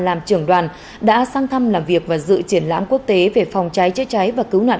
làm trưởng đoàn đã sang thăm làm việc và dự triển lãm quốc tế về phòng cháy chữa cháy và cứu nạn